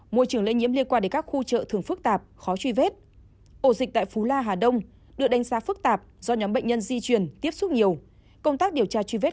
môi trường lây nhiễm liên quan đến các khu chợ thường phức tạp khó truy vết